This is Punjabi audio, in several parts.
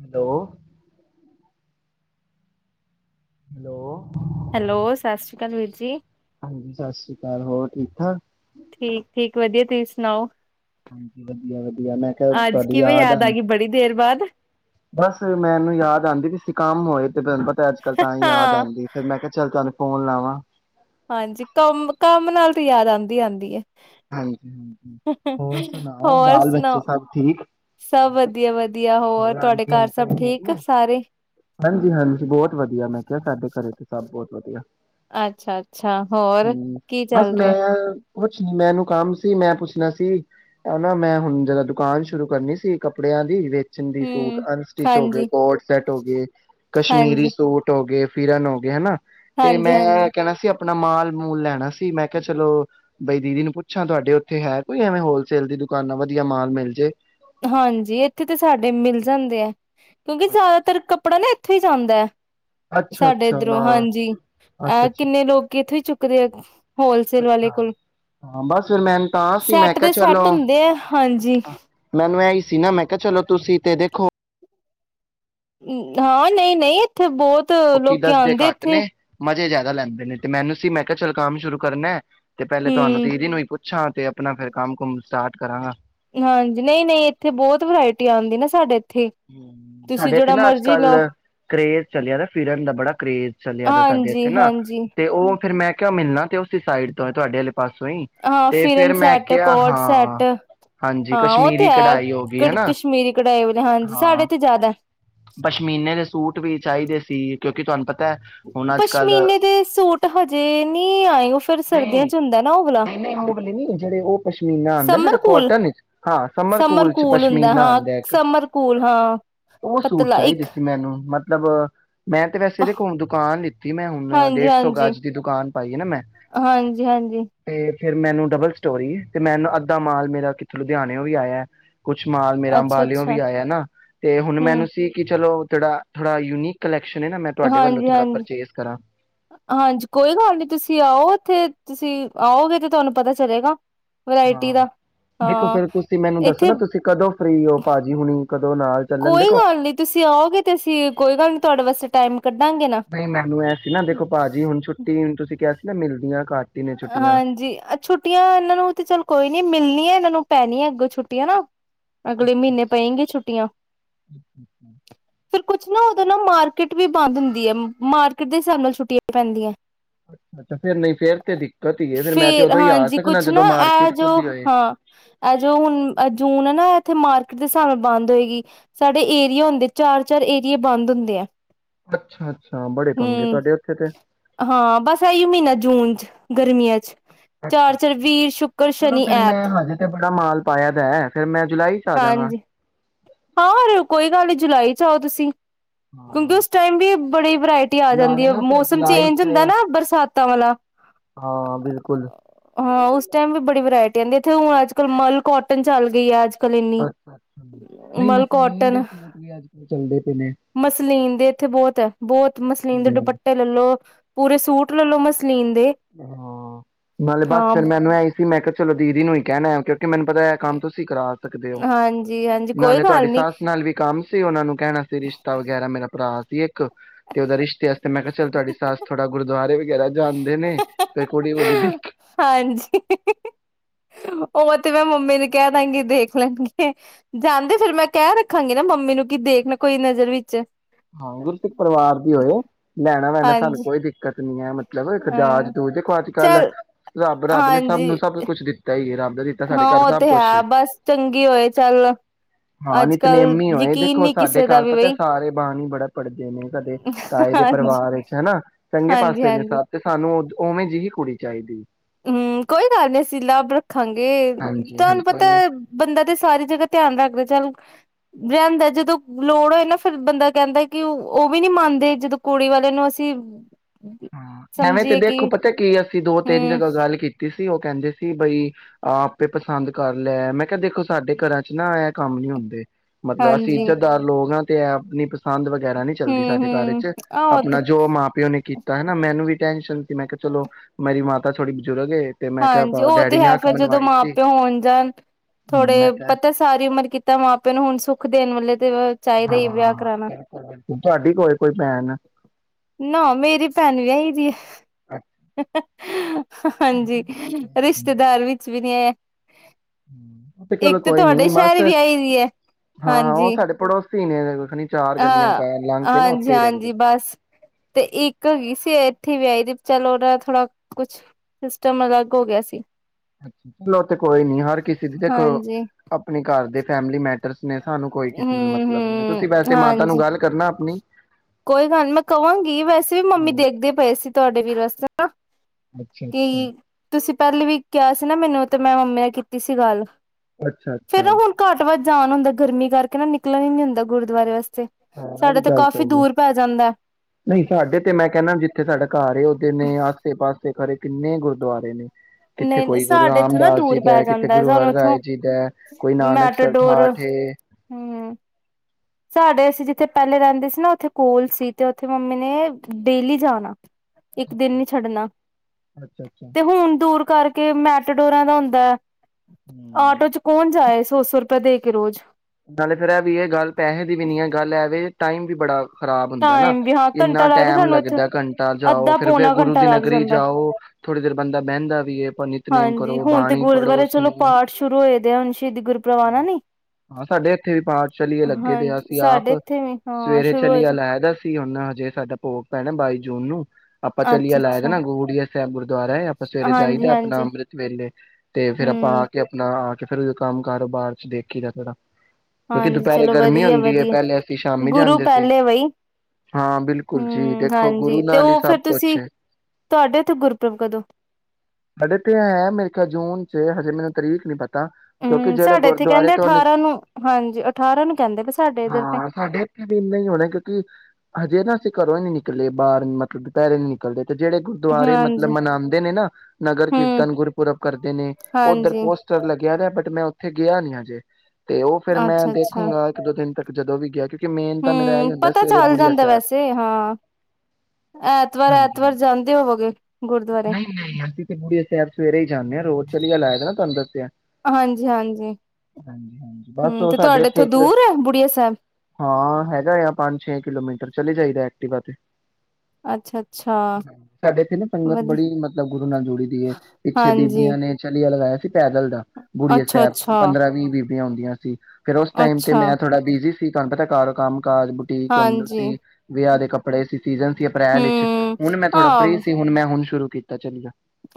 Hello, hello, hello, Sat Sri ਅਕਾਲ ਵੀਰ ਜੀ। ਹਾਂਜੀ, ਸਤਿ ਸ਼੍ਰੀ ਅਕਾਲ ਹੋਰ ਠੀਕ- ਠਾਕ ਠੀਕ ਠੀਕ ਵਧੀਆ ਤੁਸੀਂ ਸੁਣਾਓ ਹਾਂਜੀ ਵਧੀਆ ਵਧੀਆ ਮੈਂ ਕਿਹਾ ਅੱਜ ਤੁਹਾਡੀ ਕਿਵੇਂ ਯਾਦ ਆ- ਗਈ ਬੜੀ ਦੇਰ ਬਾਅਦ। ਬਸ ਮੈਨੂੰ ਯਾਦ ਆਉਂਦੀ ਪਈ ਸੀ, ਕੰਮ ਹੋਏ ਤੇ ਤੈਨੂੰ ਪਤਾ ਅੱਜ ਕੱਲ ਤਾਂ ਹੀ ਯਾਦ ਹਾਂ। ਆਂਦੀ, ਫਿਰ ਮੈਂ ਕਿਹਾ ਚੱਲ ਤੁਹਾਨੂੰ ਫੋਨ ਲਾਵਾ ਹਾਂਜੀ ਕੰਮ ਕੰਮ ਨਾਲ ਤੇ ਯਾਦ ਆਉਂਦੀ ਆਉਂਦੀ ਹੈ। ਹਾਂਜੀ ਹਾਂਜੀ ਹੋਰ ਸੁਣਾਓ ਹੋਰ ਬਾਲ ਸੁਣਾ ਬੱਚੇ ਸਭ ਠੀਕ? ਸਭ ਵਧੀਆ ਵਧੀਆ ਹੋਰ ਤੁਹਾਡੇ ਆਂਟੀ ਘਰ ਅੰਕਲ ਸਭ ਠੀਕ ਨੇ? ਸਾਰੇ ਹਾਂਜੀ ਹਾਂਜੀ ਬਹੁਤ ਵਧੀਆ ਮੈਂ ਕਿਹਾ ਸਾਡੇ ਘਰੇ ਤੇ ਸਭ ਬਹੁਤ ਵਧੀਆ ਅੱਛਾ ਅੱਛਾ ਹੋਰ ਹਮ ਕੀ ਬਸ ਚੱਲ ਰਿਹਾ? ਮੈਂ ਕੁਛ ਮੈਨੂੰ ਕੰਮ ਸੀ ਮੈਂ ਪੁੱਛਣਾ ਸੀ, ਔਨਾ ਮੈਂ ਹੁਣ ਜਰਾ ਦੁਕਾਨ ਸ਼ੁਰੂ ਕਰਨੀ ਸੀ ਕੱਪੜਿਆਂ ਦੀ। ਵਿੱਚ ਸਿੰਦੀ ਸੂਟ, ਹੂੰ, ਅਨਸਟਿਚ ਹੋ ਗਏ, ਹਾਂਜੀ ਕੋਡ ਸੈਟ ਹੋ ਗਏ, ਕਸ਼ਮੀਰੀ ਹਾਂਜੀ ਸੂਟ ਹੋ ਗਏ। ਫੀਰਨ ਹੋ ਗਏ ਨਾ ਤੇ ਹਾਂਜੀ ਮੈਂ ਹਾਂਜੀ। ਕਹਿਣਾ ਸੀ ਆਪਣਾ ਮਾਲ ਮੂਲ ਲੈਣਾ ਸੀ। ਮੈਂ ਕਿਹਾ ਚਲੋ ਬਈ ਦੀਦੀ ਨੂੰ ਪੁੱਛਾਂ ਤੁਹਾਡੇ ਉੱਥੇ ਹੈ। ਕੋਈ ਐਵੇਂ ਹੋਲਸੇਲ ਦੀ ਦੁਕਾਨ ਵਧੀਆ ਮਾਲ ਮਿਲ ਜੇ। ਹਾਂਜੀ ਇੱਥੇ ਤਾਂ ਸਾਡੇ ਮਿਲ ਜਾਂਦੇ ਆ। ਕਿਉਂਕਿ ਅੱਛਾ ਜਿਆਦਾਤਰ ਕੱਪੜਾ ਨਾ ਇੱਥੋਂ ਹੀ ਜਾਂ ਆਦਾ। ਸਾਡੇ ਅੱਛਾ ਇਧਰੋਂ। ਨਾ ਹਾਂਜੀ ਅੱਛਾ ਆ ਅੱਛਾ ਕਿੰਨੇ ਲੋਕੀ ਇੱਥੋਂ ਹੀ ਚੁੱਕਦੇ ਆ, ਹੋਲਸੇਲ ਵਾਲੇ ਇਕੱਠਾ। ਕੋਲ। ਹਾਂ ਬਸ ਫਿਰ ਮੈਨੂੰ ਤਾਂ ਸੀ ਮੈਂ ਸੈਟ ਕਿਹਾ ਦੇ ਚਲੋ ਸੈਟ ਹੁੰਦੇ ਆ। ਹਾਂਜੀ ਮੈਨੂੰ ਐ ਹੀ ਸੀ ਨਾ ਮੈਂ ਕਿਹਾ ਚਲੋ ਤੁਸੀਂ ਤੇ ਦੇਖੋ। ਹਾਂ ਨਹੀਂ ਨਹੀਂ ਇੱਥੇ ਬਹੁਤ ਤਾ ਲੋਕੀ ਦੱਸਦੇ ਆਉਂਦੇ ਘੱਟ ਇੱਥੇ। ਨੇ ਮਜ਼ੇ ਜ਼ਿਆਦਾ ਲੈਂਦੇ ਨੇ ਤੇ ਮੈਨੂੰ ਸੀ ਮੈਂ ਕਿਹਾ ਚੱਲ ਕੰਮ ਸ਼ੁਰੂ ਕਰਨਾ। ਤੇ ਪਹਿਲੇ ਤੁਹਾਨੂੰ ਹਮ ਦੀਦੀ ਨੂੰ ਹੀ ਪੁੱਛਾਂ ਤੇ ਆਪਣਾ ਫਿਰ ਕੰਮ ਕੁੁੰਮ ਸਟਾਰਟ ਕਰਾਂਗਾ ਹਾਂਜੀ ਨਹੀਂ ਨਹੀਂ ਇੱਥੇ ਬਹੁਤ ਵਰਾਇਟੀ ਆਉਂਦੀ ਨਾ ਸਾਡੇ। ਇੱਥੇ ਹ ਤੁਸੀਂ ਸਾਡੇ ਇੱਥੇ ਜਿਹੜਾ ਨਾ ਅੱਜ ਮਰਜ਼ੀ ਲਓ ਕੱਲ੍ਹ ਕਰੇਜ਼ ਚਲਿਆ ਦਾ ਫਿਰਨ ਦਾ ਬੜਾ ਕਰੇਜ਼ ਚਲਿਆ ਦਾ ਸਾਡੇ ਇੱਥੇ ਹਾਂਜੀ ਨਾ ਹਾਂਜੀ ਤੇ ਉਹ ਫਿਰ ਮੈਂ ਕਿਉ ਮਿਲਣਾ ਤੇ ਉਸੀ ਸਾਈਡ ਤੋਂ ਹੈ ਤੁਹਾਡੇ ਪਾਸੋਂ ਹੀ ਹਾਂ ਤੇ ਫਿਰ ਫਿਰਨ ਮੈਂ ਸੈਟ, ਕਿਹਾ ਕੋਟ ਹਾਂ ਸੈਟ ਹਾਂਜੀ ਹਾਂ ਉਹ ਤੇ ਕਸ਼ਮੀਰੀ ਹੈ ਕਢਾਈ ਹੋ ਗਈ ਕ ਹਨਾ ਕਸ਼ਮੀਰੀ ਕਢਾਈ ਵਾਲੇ ਹਾਂਜੀ ਸਾਡੇ ਹਾਂ ਤੇ ਜ਼ਿਆਦਾ ਪਸ਼ਮੀਨੇ ਦੇ ਸੂਟ ਵੀ ਚਾਹੀਦੇ ਸੀ। ਕਿਉਂਕੀ ਤੁਹਾਨ ਪ ਪਸ਼ਮੀਨੇ ਦੇ ਸੂਟ ਹਜੇ ਨਹੀਂ ਆਏ, ਉਹ ਫੇਿਰ ਨਹੀਂ ਸਰਦੀਆਂ ਚ ਹੁੰਦਾ ਨਾ ਉਹ ਵਾਲਾ ਨਹੀਂ ਨਹੀਂ ਉਹ ਵਾਲੇ ਨੀ ਜਿਹੜੇ ਉਹ ਪਸ਼ਮੀਨਾ ਆਂਦਾ ਸਮਰ ਜਿਹੜਾ ਕੂਲ, ਕੋਟਨ ਵਿੱਚ ਹਾਂ ਸਮਰ ਚ ਕੂਲ, ਹੁੰਦਾ ਪਸ਼ਮੀਨਾ ਹਾਂ ਆਂਦਾ ਇੱਕ ਸਮਰ ਕੂਲ, ਹਾਂ ਉਹ ਸੂਟ ਪਤਲਾ ਚਾਹੀਦੇ ਇੱਕ ਸੀ ਮੈਨੂੰ ਮਤਲਬ ਮੈ ਦੇ ਕੋੌਣ ਦੁਕਾਨ ਇ ਮੈਂ ਹੁਣ ਡੇਢ ਸੌ ਗਾਜ ਦੀ ਦੁਕਾਨ ਪਾਈ ਹੈ ਅ ਹਾਂਜੀ ਹਾਂਜੀ ਫੇਿਰ ਮੈਨੂੰ ਡਬਲ ਸਟੋਰੀ ਤੇ ਮੈਨੂੰ ਅੱਧਾ ਮਾਲ ਮੇਰਾ ਕਿੱਥੋਂ ਲੁਧਿਆਣੇਓ ਵੀ ਆਇਆ ਕੁੱਛ ਮਾਲ ਮੇਰਾ ਅੱਛਾ ਅੰਬਾਲਿਓ ਅੱਛਾ ਵੀ ਆਇਆ ਨਾ ਤੇ ਹੁਣ ਮੈਨੂੰ ਹਮ ਸੀ ਕਿ ਚਲੋ ਤੇੜਾ ਥੋੜਾ ਯੂਨੀਕ ਕਲੈਕ ਹਾਂਜੀ ਹਾਂਜੀ ਹਾਂਜੀ ਕੋਈ ਗੱਲ ਨੀ ਤੁਸੀਂ ਆਓ ਉੱਥੇ ਤੁਸੀਂ ਆਓਗੇ ਤੇ ਤੁਹਾਨੂੰ ਪਤਾ ਚਲੇਗਾ ਵਰਾਇਟੀ ਹਾਂ ਦਾ ਦੇਖੋ ਹਾਂ ਫਿਰ ਤੁਸੀਂ ਮੈਨੂੰ ਦੱਸੋ ਇੱਥੇ ਨਾ ਤੁਸੀਂ ਕਦੋਂ ਫਰੀ ਹੋ ਭਾਜੀ ਹੁਣੀ ਕਦੋਂ ਨਾਲ ਚੱਲਣ ਕੋਈ ਦੇਖੋ ਗੱਲ ਨਹੀਂੀ ਤੁਸੀਂ ਆਓਗੇ ਤੇ ਅਸੀਂ ਕੋਈ ਗੱਲ ਨਹੀਂੀ ਤੁਹਾਡੇ ਵਾਸਤੇ ਟਾਈਮ ਕੱਢਾਂਗੇ ਨਾ ਨਹੀਂ ਮੈਨੂੰ ਐਂ ਸੀ ਨਾ ਦੇਖੋ ਭਾਜੀ ਹੁਣ ਛੁੱਟੀ ਤੁਸੀਂ ਕਿਹਾ ਸੀ ਮੈਂ ਮਿਲਦੀਾਂ ਘੱਟ ਹੀ ਨੇ ਛੁੱਟੀਆਂ। ਹਾਂਜੀਹ ਛੁੱਟੀਆਂ ਇਹਨਾਂ ਨੂੰ ਤੇ ਚੱਲ ਕੋਈ ਨੀ ਮਿਲਣੀਆਂ ਇਹਨਾਂ ਨੂੰ ਪੈਣੀ ਆ ਅੱਗੋਂ ਛੁੱਟੀੀਆਂ ਨਾ ਅਗਲੇ ਮਹੀਨੇ ਪਏ ਗੇ ਛੁੱਟੀਆਂ ਫਿਰ ਕੁਛ ਨਾ ਉਦੋਂ ਨਾ ਮਾਰਕੀਟ ਵੀ ਬੰਦ ਹੁੰਦੀ ਹੈ ਮਾਰਕੀਟ ਦੇ ਹਿਸਾਬ ਨਾਲ ਛੁੱਟੀਆਂ ਪੈਂਦੀਆਂ ਅੱਛਾ ਅੱਛਾ ਨਹੀਂ ਫੇਰ ਤੇ ਦਿੱਕਤ ਹੀ ਏ ਮੈਂ ਤੇ ਫੇਰ ਉਦੋਂ ਹੀ ਆ ਹਾਂਜੀ ਸਕਣਾ ਕੁਛ ਨਾ ਜਦੋਂ ਇਹ ਮਾਰਕੀਟ ਜੋ ਖੁੱਲੀ ਹੋਏ। ਹਾਂ ਇਹ ਜੋ ਹੁਣ ਜੂਨ ਨਾ ਥੇ ਮਾਰਕੀਟ ਦੇ ਹਿਸਾਬ ਨਾਲ ਬੰਦ ਹੋਏਗੀ ਸਾਡੇ ਏਰੀਏ ਹੁੰਦੇ ਚਾਰ ਚਾਰ ਏਰੀਏ ਬੰਦ ਹੁੰਦੇ ਆ ਅੱਛਾ ਅੱਛਾ ਬੜੇ ਪੰਗੇ ਹਮ ਤੁਹਾਡੇ ਉੱਥੇ ਤੇ। ਹਾਂ ਬਸ ਇਹੀ ਮਹੀਨਾ ਜੂਨ ਚ ਗਰਮੀੀਆਂ ਚ ਅੱਛਾ ਚਾਰ ਚਾਰ ਅ ਵੀਰ ਸ਼ੁੱਕਰ ਚਲੋ ਸ਼ਨੀ ਫਿਰ ਮੈਂ ਐਤ ਹਜੇ ਤੇ ਬੜਾ ਮਾਲ ਪਾਇਆ ਦਾ ਫਿਰ ਮੈਂ ਜੁਲਾਈ ਚ ਆ ਜਾਂਗਾ। ਹਾਂਜੀ ਹਾਂ ਕੋਈ ਗੱਲ ਨਹੀਂੀ ਜੁਲਾਈ ਚੋ ਤੁਸੀਂ ਕਿਉੰਕੀ ਹਾਂ ਉਸ ਟਾਈਮ ਵੀ ਪੜਿ ਵਰਾਇਟੀ ਆ ਜਾਂਦੀ ਨਾਲੇ ਹੈ ਨਾ ਫਿਰ ਮੌਸਮ ਜੁਲਾਈ ਚੇਂਜ ਚ ਹੁੰਦਾ ਨਾ ਬਰਸਾਤਾਂ ਵਾਲਾ ਹਾਂ ਬਿਲਕੁਲ ਹਾਂ ਉਸ ਟਾਈਮ ਵੀ ਬੜੀ ਵਰਾਇਟੀ ਆਉਂਦੀ ਇੱਥੇੁਣ ਅੱਜ ਕੱਲ ਮਲ ਕੋ ਟ ਚੱਲ ਗਈ ਆ ਅੱਜ ਕਲੀਨੀ ਅੱਛਾ ਅੱਛਾ। ਨਹੀਂ ਮਲ ਮਸਲੀਨ ਦੇ ਕੋਟਨ ਸੂਟ ਵੀ ਅੱਜ ਕੱਲ ਚੱਲਦੇ ਪਏ ਨੇ। ਮਸਲੀਨ ਦੇ ਇੱਥੇ ਬਹੁਤ ਹੈ ਬਹੁਤ ਮਸਲਿਨ ਦੇ ਹੂੰ ਦੁਪੱਟੇ ਲੈਲੋ ਪੂਰੇ ਸੂਟ ਲੈਲੋ ਮ ਨਾਲੇ ਮੈਨੂੰ ਬਸ ਹਾਂ ਫੇਰ ਏਹੀ ਸੀ ਮੈਂ ਕਿਹਾ ਚਲੋ ਦੀਦੀ ਨੂੰ ਹੀ ਕਹਿਣਾ ਕਿਉਂਕਿ ਮੈਨੂੰ ਪਤਾ ਹੈ ਕੰਮ ਤੁਸੀਂ ਕਰਾ ਸਕਦੇ ਹੋ ਹਾਂਜੀ ਹਾਂਜੀ ਕੋਈ ਨਾਲੇ ਤੁਹਾਡੀ ਗੱਲ ਨੀ ਸੱਸ ਨਾਲ ਵੀ ਕੰਮ ਸੀ ਉਹਨਾਂ ਨੂੰ ਕਹਿਣਾ ਸੀ ਰਿਸ਼ਤਾ ਵਗੈਰਾ ਮੇਰਾ ਭਰਾ [unintelligible] ਤੇ ਉਹਦਾ ਰਿਸ਼ਤੇ ਮੈਂ ਕਿਹਾ ਚਲ ਤੁਹਾਡੀ ਸੱਸ ਥੋੜਾ ਗੁਰਦੁਆਰੇ [unintelligible] ਜਾਂਦੇ ਨੇ ਕੁੜੀ ਕੁੜੀ ਹਾਂਜੀ ਉਹ ਤੇ ਮੈਂ ਮੰਮੀ ਨੂੰ ਕਹਿ ਦਵਾਂਗੀ ਦੇਖ ਲੈਣਗੇ ਜਾਂਦੇ ਫੇਰ ਮੈਂ ਕਹਿ ਰੱਖਾਂਗੀ ਨਾ ਮੰਮੀ ਨੂੰ ਕੀ ਦੇਖਣਾ ਕੋਈ ਨਜ਼ਰ ਵਿੱਚ ਹਾਂ ਗੁਰਸਿੱਖ ਪਰਿਵਾਰ ਦੀ ਹੋਏ ਲੈਣਾ ਪੈਣਾ ਸਾਨੂੰ ਹਾਂਜੀ ਕੋਈ ਦਿੱਕਤ ਨੀ ਮਤਲਬ ਦਾਜ ਅ ਦੂਜ ਦੇਖੋ ਅੱਜ ਕੱਲ੍ਹ ਚੱਲ ਰੱਬ ਰੱਬ ਨੇ ਸਭ ਨੂੰ ਹਾਂਜੀ ਸਭ ਕੁੱਛ ਦਿੱਤਾ ਹੀ ਰੱਬ ਦਾ ਦਿੱਤਾ ਸਾਡੇ ਹਾਂ ਘਰ ਉਹ ਸਭ ਤੇ ਕੁਛ ਹੈ ਬਸ ਚੰਗੀ ਹੋਏ ਚੱਲ ਹਾਂ ਅੱਜ ਕੱਲ ਨਿਤਨੇਮੀ ਹੋਏ ਯਕੀਨ ਦੇਖੋ ਨਹੀਂ ਸਾਡੇ ਕਿਸੇ ਦਾ ਘਰ ਵੀ ਪਤਾ ਬਈ ਸਾਰੇ ਬਾਣੀ ਹੀ ਬੜਾ ਪੜ੍ਹਦੇ ਨੇ ਕਦੇ ਤਾਏ ਦੇ ਹਾਂਜੀ ਪਰਿਵਾਰ ਵਿੱਚ ਹਨਾ ਚੰਗੇ ਹਾਂਜੀ ਪਾਸੇ ਨੇ ਹਾਂਜੀ ਸ ਤੇ ਸਾਨੂੰ ਉਵੇਂ ਜਿਹੀ ਕੁੜੀ ਚਾਹੀਦੀ ਹਮ ਕੋਈ ਗੱਲ ਨੀ ਅਸੀਂ ਲਾਭ ਰੱਖਾਂਗੇ ਹਾਂਜੀ ਤੁਹਾਨੂੰ ਹਾਂਜੀ ਕੋਈ ਪਤਾ ਨੀ ਬੰਦਾ ਤੇ ਸਾਰੀ ਜਗ੍ਹਾ ਧਿਆਨ ਰੱਖਦੇ ਚੱਲ ਰਹਿੰਦਾ ਜਦੋਂ ਲੋੜ ਹੋਏ ਨਾ ਫਿਰ ਬੰਦਾ ਕਹਿੰਦਾ ਕਿ ਉਹ ਵੀ ਨਹੀਂ ਮੰਨਦੇ ਜਦੋਂ ਕੁੜੀ ਵਾਲੇ ਨੂੰ ਅਸੀਂ ਹਮ ਐਵੇਂ ਤੇ ਸਮਝੀਏ ਕਿ ਦੇਖੋ ਪਤਾ ਕੀ ਅਸੀਂ ਦੋ ਤਿੰਨ ਹਮ ਜਗ੍ਹਾ ਗੱਲ ਕੀਤੀ ਸੀ ਉਹ ਕਹਿੰਦੇ ਸੀ ਬਈ ਆਪੇ ਪਸੰਦ ਕਰ ਲੈ ਮੈਂ ਕਿਹਾ ਦੇਖੋ ਸਾਡੇ ਘਰਾਂ ਵਿੱਚ ਨਾ ਇਹ ਕੰਮ ਨੀ ਹੁੰਦੇ ਮਤਲਬ ਅਸੀਂ ਹਾਂਜੀ ਇੱਜਤਦਾਰ ਲੋਕ ਹਾਂ ਤੇ ਆਪਣੀ ਪਸੰਦ ਵਗੈਰਾ ਨਹੀਂ ਚੱਲਦੀ ਹਮ ਸਾਡੇ ਘਰ ਹਮ ਵਿੱਚ ਆਹ ਉਹ ਤੇ ਆਪਣਾ ਜੋ ਮਾਂ ਪਿਓ ਨੇ ਕੀਤਾ ਨਾ ਮੈਨੂੰ ਵੀ ਟੈਨਸ਼ਨ ਸੀ ਮੈਂ ਕਿਹਾ ਚਲੋ ਮੇਰੀ ਮਾਤਾ ਥੋੜੀ ਬਜ਼ੁਰਗ ਏ ਤੇ ਮੈਂ ਕਿਹਾ ਹਾਂਜੀ ਭਾ- ਉਹ ਡੈਡੀ ਤੇ ਨੇ ਹੈ ਅੱਖ ਫਿਰ ਜਦੋਂ ਮਨਵਾਈ ਮਾਂ ਸੀ ਪਿਓ ਹੋਣ ਜਾਣ ਹਮ, ਮੈਂ ਥੋੜੇ ਕਿਹਾ ਪਤਾ ਸਾਰੀ ਉਮਰ ਕੀਤਾ ਮਾਂ ਪਿਓ ਨੂੰ ਹੁਣ ਸੁੱਖ ਦੇਣ ਵਾਲੇ ਤੇ ਚਾਹੀਦਾ ਹਾਂ ਹੀ ਵਿਆਹ ਕਰਾਉਣਾ ਬਿਲਕੁਲ ਬਿਲਕੁਲ ਤੁਹਾਡੀ ਕੋਲ ਕੋਈ ਭੈਣ ਨਾ ਮੇਰੀ ਭੈਣ ਵਿਆਹੀ ਦੀ ਹੈ ਇੱਕ ਹਮ, ਹਾਂਜੀ ਰਿਸ਼ਤੇਦਾਰ ਵੀ [unintelligible] ਉਹ ਤੇ ਇੱਕ ਚਲੋ ਤਾਂ ਕੋਈ ਨੀ ਤੁਹਾਡੇ ਸ਼ਹਿਰ ਬਸ ਈ ਵਿਆਹੀ ਪਈ ਐ। ਹਾਂ ਹਾਂ ਉਹ ਹਾਂਜੀ ਸਾਡੇ ਪੜੋਸੀ ਨੇ ਕੁ ਨੀ ਚਾਰ ਗਲੀਆਂ ਹਾਂ ਕ ਲੰਘ ਕੇ ਨਾ ਹਾਂਜੀ ਉੱਥੇ ਹੀ ਰਹਿੰਦੇ ਹਾਂਜੀ ਬਸ ਤੇ ਇੱਕ ਹੈਗੀ ਸੀ ਇੱਥੇ ਵਿਆਹੀ [unintelligible] ਥੋੜਾ ਕੁਛ [unintelligible] ਜਮਾ ਅਲੱਗ ਹੋ ਗਿਆ ਸੀ। ਚਲੋ ਐ ਤੇ ਕੋਈ ਨੀ ਹਰ ਕਿਸੇ ਦੀ ਦੇਖੋ- ਹਾਂਜੀ ਆਪਣੇ ਘਰ ਦੇ ਫੈਮਲੀ ਮੈ ਟਰਸ ਮੇ, ਸਾਨੂੰ ਕੋਈ ਕਿਸੇ ਨਾਲ ਮਤਲਬ ਨੀ, ਤੁਸੀਂ ਹੂੰ-ਹੂੰ ਵੈਸੇ ਮਾਤਾ ਨੂੰ ਹਾਂਜੀ। ਗੱਲ ਕਰਨਾ ਆਪਨੀ। ਕੋਈ ਗੱਲ ਨੀ ਮੈਂ ਕਵਾਂਗੀ ਵੈਸੇ ਮੰਮੀ ਹਮ ਦੇਖਦੇ ਪਏ ਸੀ ਤੁਹਾਡੇ ਵੀਰ ਵਾਸਤੇ ਨਾ ਅੱਛਾ ਅੱਛਾ ਕਿ ਤੁਸੀਂ ਪਹਿਲੇ ਵੀ, ਕਿਆ ਸੀ ਨਾ ਮੈਨੂੰ ਤੇ ਮੈਂ ਮੰਮੀ ਨਾਲ ਕੀਤੀ ਸੀ ਗੱਲ। ਅੱਛਾ ਫੇਰ ਅੱਛਾ ਨਾ ਹੁਨ ਘੱਟ ਵੱਦ ਜਾਨਾ ਹੁੰਦਾ ਗਰਮੀ ਕਰਕੇ ਨਾ ਨਿਕਲਨ ਈ ਨੀ ਹੁੰਦਾ, ਗੁਰਦੁਆਰੇ ਵਾਸਤੇ। ਫੇਰ ਸਾਡਾ ਤੇ ਕਾਫ਼ੀ ਦੂਰ ਪੈ ਜਾਂਦਾ ਨਈ ਸਾਡੇ ਤੇ ਮੈਂ ਕੇਹਨਾ ਜਿੱਥੇ ਸਾਡਾ ਘਰ ਉਦੇ ਨੇ ਆਸੇ ਪਾਸੇ ਖਰੇ ਕਿੰਨੇ ਗੁਰਦੁਆਰੇ ਨੇ? ਕਿੱਥੇ ਨਹੀਂ ਨਹੀਂ ਕੋਈ ਗੁਰੂ ਸਾਡੇ ਇੱਥੋਂ ਨਾ ਰਾਮਦਾਸ ਜੀ ਦੂਰ ਪੈ ਦੈ, ਕਿੱਥੇ ਜਾਂਦਾ ਹੈ ਗੁਰੂ ਸਾਨੂੰ ਹਰ ਰਾਏ ਇੱਥੋਂ ਜੀ ਦੈ, ਕੋਈ ਨਾਨਕ ਸਰ ਮੈਟਾਡੋਰ ਠਾਠ ਏ। ਹਮ ਸਾਡੇ ਅਸੀਂ ਜਿੱਥੇ ਪਹਿਲੇ ਰਹਿੰਦੇ ਸੀ ਨਾ, ਔਥੇ ਕੋਲ ਸੀ ਤੇ ਓਥੇ ਮੰਮੀ ਨੇ, ਡੇਲੀ ਜਾਨਾ। ਇੱਕ ਦਿਨ ਅੱਛਾ ਅੱਛਾ ਨੀ ਛੱਡਨਾ, ਅੱਛਾ ਅੱਛਾ ਤੇ ਹੁਣ ਦੂਰ ਕਾਰਕੇ ਮੈਟਾਡੋਰਾਂ ਦਾ ਹੁੰਦੈ ਹਮ ਆਟੋ ਚ ਕੌਣ ਜਾਏ ਸੌ-ਸੌ ਰੁਪ ਤਾ ਦੇ ਕੇ ਰੋਜ਼। ਨਾਲੇ ਫੇਰ ਐ ਵੀ ਗੱਲ ਪੈਹੇ ਦੀ ਵੀ ਨੀ ਐ ਗੱਲ ਐਵ ਫੇ ਟਾਈਮ ਵੀ ਬੜਾ ਖ਼ਰਾਬ ਹੁੰਦਾ ਨਾ ਟਾਈਮ ਵੀ ਹਾਂ ਘੰਟਾ ਏਨਾਂ ਲੱਗਦਾ ਟੈਮ ਸਾਨੂੰ ਇੱਥੇ ਲੱਗਦੈ ਘੰਟਾ ਜਾਔ ਅੱਧਾ ਫੇਰ-ਫੇਰ ਪੌਣਾ ਗੁਰੂ ਘੰਟਾ ਦੀ ਲੱਗ ਨਗਰੀ ਜਾਂਦਾ ਜਾਔ ਥੋੜ੍ਹੀ ਦੇਰ ਬੰਦਾ ਬੇਂਦਾ ਵੀ ਏ ਫੇਰ ਨਿਤਨੇਮ ਹਾਂਜੀ ਕਰੋ ਹੁਣ ਤੇ ਬਾਣੀ ਪੜ੍ਹੋ ਗੁਰਦੁਆਰੇ ਚਲੋ ਸੁਣੋ, ਪਾਠ ਸ਼ੁਰੂ ਹੋਏ ਦੇ ਆ ਹੁਣ ਸ਼ਹੀਦੀ ਗੁਰਪੁਰਬ ਆਣਾ ਹੂੰ। ਨੀ। ਹਾਂ ਸਾਡੇ ਇੱਥੇ ਵੀ ਪਾਠ ਚਲੀਏ ਲੱਗੇ ਦੇ ਆ ਹਾਂਜੀ ਅਸੀਂ ਸਾਡੇ ਆਪ ਇੱਥੇ ਵੀ ਹਾਂ ਸਵੇਰੇ ਸ਼ੁਰੂ ਹੋਏ ਚਲੀਏ ਲਾ ਐਦਾ ਸੀ ਹੁਨ ਹਜੇ ਸਾਡਾ ਭੋਗ ਪੈਨਾ ਬਾਈ ਜੂਨ ਨੂੰ। ਆਪਾਂ ਚਲੀਆ ਲਾਯਾ ਦਾ ਅੱਛਾ-ਅੱਛਾ ਨਾ ਗੂੜੀਆ [unintelligible] ਦੁਬਾਰਾ ਏ ਆਪਾਂ ਸਵੇਰੇ ਜਾਈਦਾ ਆਪਾਨ ਹਾਂਜੀ-ਹਾਂਜੀ ਅੰਮ੍ਰਿਤ ਵੇਲੇ ਤੇ ਫੇਰ ਆਪਾਂ ਹੂੰ ਆ ਕੇ ਆਪਨਾ ਤੇ ਫੇਰ ਔਈਔ ਕੰਮ ਕਾਰੋਬਾਰ ਚ ਦੇਖੀਦੈ ਥੌੜਾ ਕਿਉਂਕਿ ਹਾਂਜੀ ਦੁਪੈਰੇ ਚਲੋ ਗਰਮੀ ਹੁੰਦੀ ਏ ਵਧੀਆ-ਵਧੀਆ ਪੈਲੇ ਅਸੀਂ ਸ਼ਾਮੀ ਗੁਰੂ ਜਾਂਦੇ ਸੀ। ਪਹਿਲੇ ਬਈ ਹਾਂ, ਬਿਲਕੁਲ ਜੀ ਹੂੰ ਦੇਖੋ ਹਾਂਜੀ ਗੁਰੂ ਤੇ ਨਾਲ ਹੀ ਉਹ ਸੱਭ ਫਿਰ ਕੁਛ ਤੁਸੀਂ ਏ, ਤੁਹਾਡੇ ਉੱਥੇ ਗੁਰਪੁਰਬ ਕਦੋਂ ਸਾਡੇ ਤੇ ਹੈ ਮੇਰੇ ਖਿਆਲ ਜੂਨ ਚ ਹਜੇ ਮੈਨੂੰ ਤਰੀਕ ਨੀ ਪਤ ਤਾ ਕਿਉਂਕਿ ਹੂੰ ਜੇੜੇ ਸਾਡੇ ਇੱਥੇ ਗੋਰਦੁਆਰੇ ਕਹਿੰਦੇ ਤੋਂ ਨ ਅਠਾਰਾਂ ਨੂੰ ਹਾਂਜੀ ਅਠਾਰਾਂ ਨੂੰ ਕਹਿੰਦੇ ਪਏ ਸਾਡੇ ਇੱਧਰ ਤੇ ਹਾਂ, ਸਾਡੇ ਏਥੇ ਵੀ ਇੰਨਾ ਈ ਹੋਣਾ ਕਿਉਂਕਿ ਹਜੇ ਨਾ ਅਸੀਂ ਘਰੋਂ ਈ ਨੀ ਨਿ ਨਿਕਲੇ ਬਾਰ ਮਤਲਬ ਦੁਪੈਰੇ ਨੀ ਨਿਕਲਦੇ ਤੇ ਜਿਹੜੇ ਗੁਰਦੁਆਰੇ ਮਤਲਬ ਹਾਂਜੀ ਮਨਾਉਂਦੇ ਨੇ ਨਾ ਨਗਰ ਹੂੰ ਕੀਰਤਨ ਗੁਰਪੁਰਬ ਕਰਦੇ ਨੇ ਉਧਰ ਹਾਂਜੀ ਪੋਸਟਰ ਲੱਗੇ ਗਿਆ ਬਟ ਮੈਂ ਉੱਥੇ ਗਿਆ ਨੀ ਹਜੇ ਤੇ ਉਹ ਫਿਰ ਮੈਂ ਅੱਛਾ-ਅੱਛਾ ਦੇਖੂੰਗਾ ਇੱਕ ਦੋ ਦਿਨ ਤੱਕ ਜਦੋਂ ਵੀ ਗਿਆ ਕਿ ਤੇ ਮੇਨ ਤਾਂ ਮੇਰਾ ਇਹੀ ਹੂੰ ਹੁੰਦਾ ਪਤਾ ਸਵੇਰੇ ਚੱਲ ਬੁੜੀਆਂ ਜਾਂਦਾ ਸਾਹਿਬ ਵੈਸੇ ਹਾਂ ਹਾਂਜੀ ਹ ਐਤਵਾਰ-ਐਤਵਾਰ ਜਾਂਦੇ ਹੋਵੋਗੇ ਗੁਰਦੁਆਰੇ ਨਹੀਂ ਨਹੀਂ ਅਸੀਂ ਬੁੜੀਆ ਸਾਹਿਬ ਸਵੇਰੇ ਹੀ ਜਾਂਦੇ ਆ ਰੋਜ਼ ਚਲਿਆ ਲਾਏ ਦਾ। ਹੁਨ ਦੱਸਿਆ ਹਾਂਜੀ ਹਾਂਜੀ ਹਾਂਜੀ-ਹਾਂਜੀ ਬਸ ਉਹ ਸਾਡੇ ਇੱਥੇ ਇੱਕ ਹਾਂ ਹੈਗਾ ਆ ਪੰਜ ਛੇ ਕਿਲੋ ਮੀਟਰ ਚਲੇ ਜਾਈਦਾ ਐਕਟਿਵਾ ਤੇ ਹ ਅੱਛਾ-ਅੱਛਾ, ਸਾਡੇ ਇੱਥੇ ਨਾ ਸੰਗਤ ਵਧੀ ਬੜੀ ਮਤਲਬ ਗੁਰੂ ਨਾਲ ਜੁੜੀ ਦੀ ਹੈ ਪਿੱਛੇ ਹਾਂਜੀ, ਬੀਬੀਆਂ ਨੇ ਚਲਆ ਲਗਾਇਆ ਸੀ ਪੈਦਲ ਦਾ ਗੁੜੀਏ ਸਾਹਿਬ ਅੱਛਾ-ਅੱਛਾ, ਅੱਛਾ। ਪੰਦਰਾਂ ਵੀਹ ਦਿਨ ਵਆਉਂਦੀਆਂ ਫਿਰ ਉਸ ਟਾਈਮ ਤੇ ਅੱਛਾ ਮੈਂ ਥੋੜਾ ਬਿਜੀ ਠੀਕਾ ਪਤਾ ਘਰ ਕੰਮ ਘਰ ਬੁਟੀਕ ਅੰਦਰ ਹਾਂਜੀ, ਸੀ ਵਿਆਹ ਦੇ ਕੱਪੜੇ ਸੀ ਸੀਜਨ ਸੀ ਅਪ੍ਰੈਲ ਵਿੱਚ ਹੂੰ। ਹੁਣ ਮੈਂ ਥੋੜਾ ਫਰੀ ਆਹ, ਸੀ ਹੁਣ ਮੈਂ ਹੁਣ ਸ਼ੁਰੂ ਕੀਤਾ ਚੱਲਿਆ?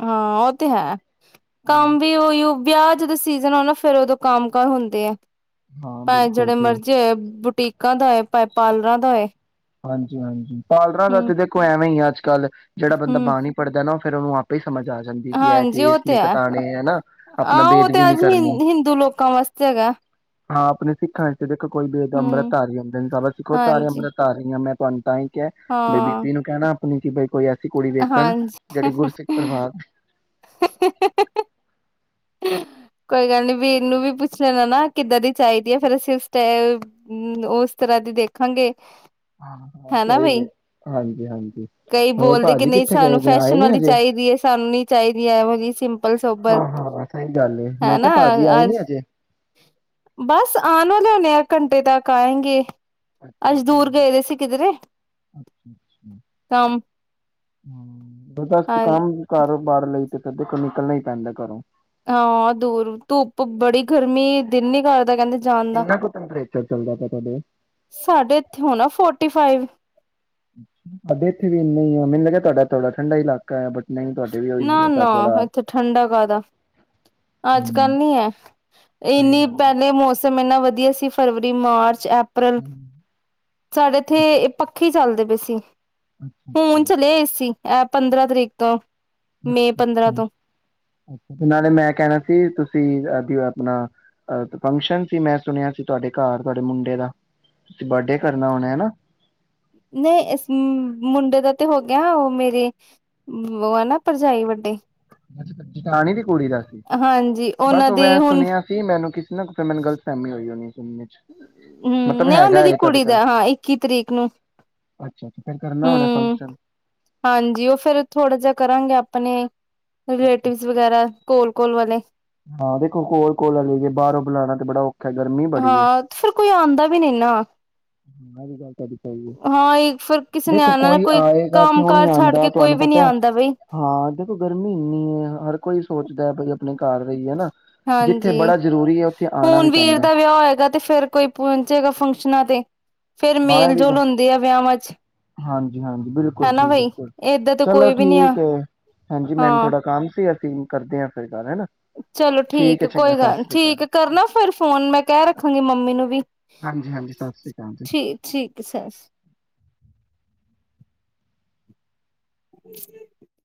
ਹਾਂ ਉਹ ਤੇ ਹੈ ਹਮ, ਕੰਮ ਵੀ ਉਹੀ ਵਿਆਹ ਜਦੋਂ ਸੀਜਨ ਹੋ ਨਾ ਫਿਰ ਉਦੋਂ ਕੰਮ ਕਾਰ ਹੁੰਦੇ ਆ ਹਾਂ ਭਾਵੇ ਬਿਲਕੁਲ ਜਿਹੜੇ ਜੀ ਮਰਜ਼ੀ ਬੁਟੀਕ ਕਾਦਾ ਏ ਪਾਏ ਪਾਲਰਾਂ ਦਾ ਏ ਹਾਂਜੀ ਹਾਂਜੀ ਪਾਰਲਰਾਂ ਦਾ ਤੇ ਦੇਖੋ ਐਵੇਂ ਹੀ ਆ ਅੱਜ ਕੱਲ ਜਿਹੜਾ ਬੰਦਾ ਹੂੰ, ਬਾਣੀ ਹੀ ਪੜ੍ਹਦਾ ਨਾ ਫਿਰ ਉਹਨੂੰ ਆਧੇ ਸਮਝ ਆ ਜਾਂਦੀ ਏ ਕਿ ਇਹ ਹਾਂਜੀ ਕੇਸ ਉਹ ਤੇ ਨਹੀਂ ਹੈ, ਕਟਾਣੇ ਹਨਾ ਆਪਣਾ ਆਹ ਉਹ ਬੇਅਦਵੀ ਤੇ ਨੀ ਅੱਜ ਹਿੰ ਕਰਨੀ ਹਿੰਦੂ ਲੋਕਾਂ ਵਾਸਤੇ ਹੈਗਾ, ਹਾਂ ਆਪਣੇ ਸਿੱਖਾਂ ਚ ਦੇਖੋ ਕੋਈ ਬੇਦ ਹੂੰ, ਅੰਮ੍ਰਿਤਧਾਰੀ ਹੰਦੇ ਨੇ ਅਸੀ ਖੁਦ ਧਾਰੀਆ ਹਾਂਜੀ, ਅੰਮ੍ਰਿਤ। ਆ ਰਹੀਾਂ ਮੈਂ ਤੁਹਾਨੂੰ ਤਾਂ ਹੀ ਕ ਬਈ ਹਾਂ, ਬੀਬੀ ਨੂੰ ਕਹਿਣਾ ਆਪਂ ਕਿ ਕੀ ਕ ਕੋਈ [unintelligible] ਕੁੜੀ ਵੇਖਣ ਹਾਂਜੀ। ਜਿਹੜੀ ਗੁਰਸਿੱਖ ਪਰਿਵਾਰ [unintelligible] ਕੋਈ ਗੱਲ ਨੀ ਵੀਰ ਨੂੰ ਵੀ ਪੁੱਛ ਲੈਣਾ ਨਾ ਕਿੱਦਾਂ ਦੀ ਚਾਹੀਦੀ ਹੈ ਫੇਰ ਅਸੀਂ ਉਸ ਟ ਉਸ ਤਰ੍ਹਾਂ ਦੀ ਦੇਖਾਂਗੇ ਹਾਂ ਹਾਂ ਹੈ ਨਾ ਸਹੀ ਨੇ ਬਈ ਹਾਂਜੀ-ਹਾਂਜੀ ਕਈ ਹੋਰ ਬੋਲਦੇ ਕਿ ਭਾਜੀ ਨਹੀਂ ਕਿੱਥੇ ਗਏ ਸਾਨੂੰ ਨੇ ਆਏ ਫੈਸ਼ਨ ਨੀ ਵਾਲੀ ਅਜੇ ਚਾਹੀਦੀ ਹੈ ਸਾਨੂੰ ਨੀ ਚਾਹੀਦੀ ਇਹ ਜਿਹੀ ਸਿੰਪਲ ਸੋਬਰ ਹਾਂ-ਹਾਂ ਸਹੀ ਗੱਲ ਏ ਹੈ ਮੈਂ ਕਿਹਾ ਨਾ ਭਾਜੀ ਆਏ ਅਜ ਨੀ ਅਜੇ ਬਸ ਆਉਣ ਵਾਲੇ ਇਹ ਘੰਟੇ ਤਾਂ ਕਾਇਗੇ ਹ ਕੰਮ ਹਾਂ ਕੰਮ ਕਰੋ ਬਾਹਰ ਲਈ ਤੇ ਫਿਰ ਦੇਖੋ ਨਿਕਲਣਾ ਹੀ ਪੈਂਦਾ ਘਰੋਂ ਹਾਂ ਦੂਰ ਧੁੱਪ ਬੜੀ ਗਰਮੀ ਦਿਨ ਨੀ ਕਰਦਾ ਕਹਿੰਦੇ ਜਾਣ ਦਾ ਕਿੰਨਾ ਕੁ ਟੈਂਪਰੇਚਰ ਚੱਲਦਾ ਪਿਆ ਤੁਹਾਡੇ ਸਾਡੇ ਇੱਥੇ ਹੋਣਾ ਫੋਰਟੀ ਫਾਈਵ ਅ ਇੱਥੇ ਵੀ ਇਨਾ ਆ ਮੈਨੂੰ ਲੱਗਿਆ ਤੁਹਾਡਾਥੋੜਾ ਠੰਢਾ ਇਲਾਕਾ ਹੈ ਨਹੀਂ ਤੁਹਾਡੇ ਵੀ ਉਹੀ ਨਾ ਹੈ ਸਾਡੇ ਨਾ ਦਾ ਇੱਥੇ ਠੰਡਾ ਕਾਹਦਾ ਅੱਜ ਹੂੰ ਕੱਲ ਨੀ ਹੈ ਸਹੀ ਇੰਨੀ ਗੱਲ ਹੈ ਪਹਿਲੇ ਮੌਸਮ ਮੇਨਾ ਵਧੀਆ ਸੀ ਫਰਵਰੀ ਮਾਰਚ ਅਪ੍ਰੈਲ ਹਮ, ਸਾਡੇ ਇੱਥੇ ਪੱਖੀ ਚੱਲਦੇ ਪਏ ਸੀ ਅੱਛਾ [inaudible] ਹੂੰ ਅੱਛਾ ਚਲੇ ਏ ਸੀ ਇਹ ਪੰਦਰਾਂ ਤਰੀਕ ਤੋਂ ਪੰਦਰਾਂ ਤੋਂ ਨਾਲੇ ਮੈਂ ਕਹਿਣਾ ਸੀ ਤੁਸੀਂ ਆਪਣਾ ਫੰਕਸ਼ਨ ਸੀ ਮੈਂ ਸੁਣਿਆ ਸੀ ਤੁਹਾਡੇ ਘਰ ਤੁਹਾਡੇ ਮੁੰਡੇ ਦਾ ਤੁਂ ਬਰਡੇ ਕਰਨਾ ਹੋਣਾ ਹਨਾ ਨਹੀਂ ਇਸ ਮੁੰਡੇ ਦਾ ਤੇ ਹੋ ਗਿਆ ਉਹ ਮੇਰੇ ਉਹ ਹੈ ਨਾ ਭਰਜਾਈ ਵੱਡੇ ਜਠਾਣੀ ਦੀ ਕੁੜੀ ਦਾ ਸੀ ਹਾਂਜੀ ਬਸ ਉਹਨਾਂ ਦੀ ਮੈਂ ਹੁਣ ਸੁਣਿਆ ਸੀ ਮੈਨੂੰ ਕਿਸ ਨਾ ਫ ਮਨੂੰ ਗਲਤਹਿਮੀ ਹੋਈ ਹੋ ਹਮ ਨਹੀਂ ਉਹਨਾਂ ਦੀ ਤੁਹਾਡੇ ਕੁੜੀ ਘਰ ਦਾ ਹਾਂ ਇੱਕੀ ਤਰੀਕ ਨੂੰ ਅੱਛਾ ਅੱਛਾ ਫੇਰ ਕਰਨਾ ਹੋਣਾ ਹਮ ਫੰਕਸ਼ਨ ਹਾਂਜੀ ਉਹ ਫੇਿਰ ਥੋੜਾ ਜਿਹਾ ਕਰਾਂਗੇ ਆਪ ਆਪਣੇ ਰਿਲੇਟਿਵ ਵਗੈਰਾ ਕੋਲ ਕੋਲ ਵਾਲੇ ਹਾਂ ਦੇਖੋ ਕੋਲ ਕੋਲ ਲਈ ਜੇ ਬਾਹਰੋਂ ਬੁਲਾਣਾ ਤੇ ਬੜਾ ਔਖਾ ਗਰਮੀ ਬੜੀ ਏ। ਹਾਂ ਫੇਿਰ ਕੋਈ ਆਉਂਦਾ ਵੀ ਨਹੀਂ ਨਾ ਹਾਂ ਇਹ ਫਿਰ ਕਿਸੇ ਨੇ ਦੇਖੋ ਆਣਾ ਨਾ ਕੋਈ ਆਏਗਾ ਕੰਮ ਕਿਉਂ ਨੀ ਕਾਰ ਛੱਡ ਆਉਂਦਾ ਕੇ ਕੋਈ ਤੁਹਾਨੂੰ ਵੀ ਨੀ ਪਤਾ ਆਂਦਾ ਬਈ ਹਾਂ ਦੇਖੋ ਗਰਮੀ ਇੰਨੀ ਹੈ ਹਰ ਕੋਈ ਸੋਚਦਾ ਬ ਹਾਂਜੀ ਜ਼ਰੂਰੀ ਏ ਉੱਥੇ ਆਣਾ ਹੁਣ ਵੀ ਵੀਰ ਪੈਂਦਾ ਦਾ ਵਿਆਹ ਹੋਏਗਾ ਤੇ ਫੇਰ ਕੋਈ ਪਹੁੰਚੇਗਾ ਫੰਕ ਤੇ ਫੇਰ ਹਾਂ ਇਹ ਮੇਲ ਵੀ ਜੋਲ ਹੁੰਦੀ ਆ ਵਿਆਹਾਂ ਚ ਹਾਂਜੀ ਹਾਂਜੀ ਬਿਲਕੁਲ ਹਨਾ ਜੀ ਬਈ ਬਿਲਕੁਲ ਏਦਾਂ ਤੇ ਚਲੋ ਕੋਈ ਵੀ ਨੀ ਆ ਠੀਕ ਹੈ ਹਾਂਜੀ ਮੈਨੂੰ ਹਾਂ ਥੋਡਾ ਕੰਮ ਸੀ ਕਰਦੇ ਹ ਫਿਰ ਗੱਲ ਹੈਨਾ ਚਲੋ ਠੀਕ ਏ ਚੰਗਾ ਕੋਈ ਸਤਿ ਗੱਲ ਸ੍ਰੀ ਅਕਾਲ। ਠੀਕ ਕਰਨਾ ਫੇਿਰ ਫੋਨ ਮੈਂ ਕਹਿ ਰੱਖਾਂਗੀ ਮੰਮੀ ਨੂੰ ਵੀ ਹਾਂਜੀ ਹਾਂਜੀ ਸਤਿ ਸ੍ਰੀ ਅਕਾਲ। ਠੀਕ ਠੀਕ ਸਰ ਹਮ ਹਮ